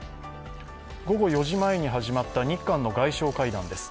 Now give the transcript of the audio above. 午後４時前に始まった日韓の外相会談です。